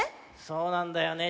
そうなんだよね。